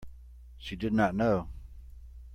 She did not know.